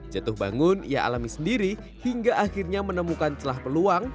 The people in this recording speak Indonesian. jatuh bangun ia alami sendiri hingga akhirnya menemukan celah peluang